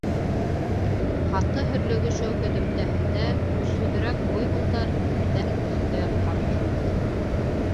Ҡаты һөрлөгөшөү һөҙөмтәһендә көсһөҙөрәк буйволдар ерҙән өҫкә ҡалҡынды.